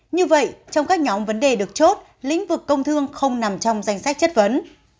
như vậy trong các nhóm vấn đề được chốt lĩnh vực công thương không nằm trong danh sách chất vấn